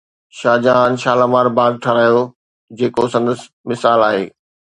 شاهجهان شالامار باغ ٺهرايو جيڪو سندس مثال آهي